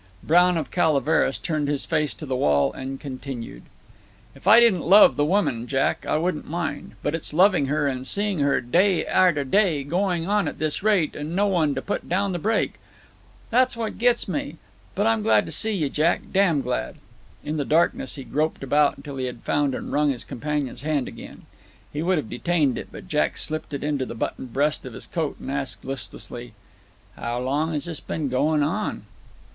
Brown of Calaveras turned his face to the wall and continued: "If I didn't love the woman, Jack, I wouldn't mind. But it's loving her, and seeing her, day arter day, goin' on at this rate, and no one to put down the brake; that's what gits me! But I'm glad to see ye, Jack, damn glad." In the darkness he groped about until he had found and wrung his companion's hand again. He would have detained it, but Jack slipped it into the buttoned breast of his coat, and asked, listlessly, "How long has this been going on?"